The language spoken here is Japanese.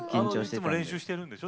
いつも練習してるんでしょ？